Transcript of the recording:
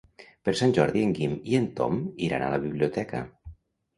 Per Sant Jordi en Guim i en Tom iran a la biblioteca.